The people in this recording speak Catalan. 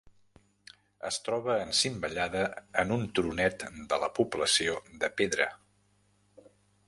Es troba encimbellada en un turonet de la població de Pedra.